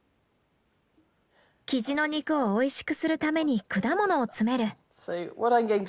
キジの肉をおいしくするために果物を詰める。